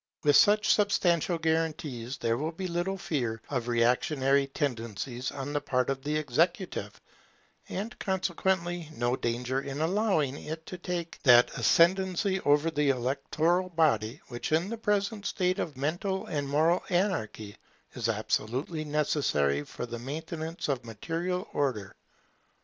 With such substantial guarantees there will be little fear of reactionary tendencies on the part of the executive; and consequently no danger in allowing it to take that ascendency over the electoral body which, in the present state of mental and moral anarchy, is absolutely necessary for the maintenance of material order.